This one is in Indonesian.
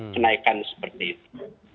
kenaikan seperti itu